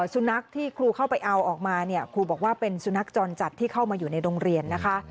สุนัขที่ครูเข้าไปเอาออกมาเนี่ยครูบอกว่าเป็นสุนัขจรจัดที่เข้ามาอยู่ในโรงเรียนนะคะ